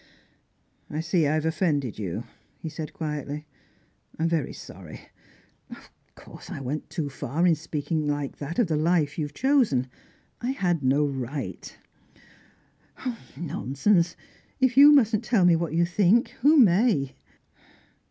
"I see I have offended you," he said quietly. "I'm very sorry. Of course I went too far in speaking like that of the life you have chosen. I had no right " "Nonsense! If you mustn't tell me what you think, who may?"